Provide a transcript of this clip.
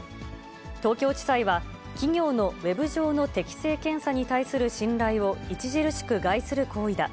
東京地裁は、企業のウェブ上の適性検査に対する信頼を著しく害する行為だ。